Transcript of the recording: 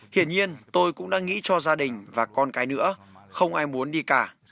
hiện nhiên tôi cũng đang nghĩ cho gia đình và con cái nữa không ai muốn đi cả